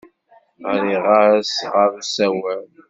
Ɣriɣ-as-d ɣer usawal.